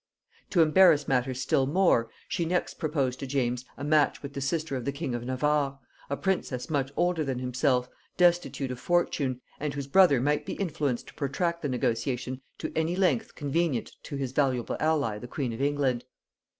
To embarrass matters still more, she next proposed to James a match with the sister of the king of Navarre, a princess much older than himself, destitute of fortune, and whose brother might be influenced to protract the negotiation to any length convenient to his valuable ally the queen of England.